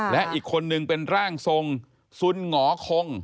และอีกคนนึงเป็นร่างทรงสุนหงอคง